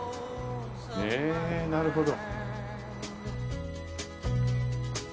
えなるほど。